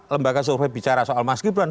lembaga survei bicara soal mas gibran